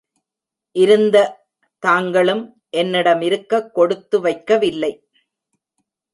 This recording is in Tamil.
இருந்த தாங்களும் என்னிடமிருக்கக் கொடுத்து வைக்கவில்லை.